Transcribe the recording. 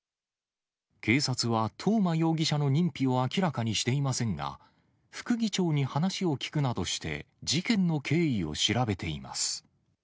警察は東間容疑者の認否を明らかにしていませんが、副議長に話を聞くなどして、事件の経緯を調べています。